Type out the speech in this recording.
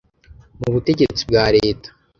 mu butegetsi bwa leta,